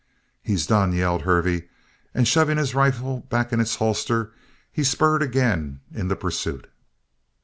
"He's done!" yelled Hervey, and shoving his rifle back in its holster, he spurred again in the pursuit.